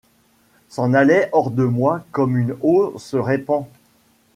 S’en allaient hors de moi comme une eau se répand.